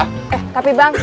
eh tapi bang